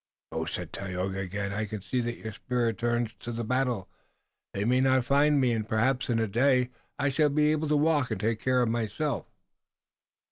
"Go," said Tayoga again. "I can see that your spirit turns to the battle. They may not find me, and, perhaps in a day, I shall be able to walk and take care of myself."